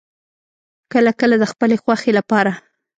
کله کله د خپلې خوښې لپاره